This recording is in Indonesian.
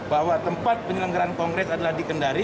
bahwa tempat penyelenggaran kongres adalah di kendari